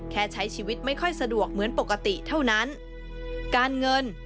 ใช้ชีวิตไม่ค่อยสะดวกเหมือนปกติเท่านั้นการเงิน